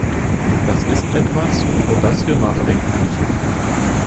Das ist etwas, über das wir nachdenken müssen.